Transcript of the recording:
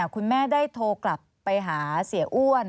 คุณแม่ได้โทรกลับไปหาเสียอ้วน